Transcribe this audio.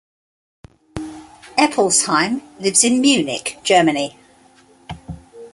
Eppelsheim lives in Munich, Germany.